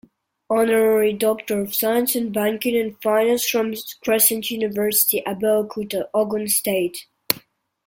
Honorary Doctor of Science in Banking and Finance from Crescent University, Abeokuta, Ogun State.